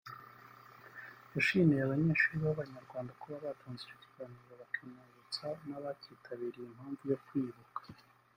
yashimiye abanyeshuri b’Abanyarwanda kuba batanze icyo kiganiro bakibutsa n’abakitabiye impamvu yo kwibuka